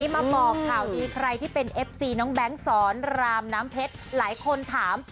มาบอกข่าวดีใครที่เป็นเอฟซีน้องแบงค์สอนรามน้ำเพชรหลายคนถาม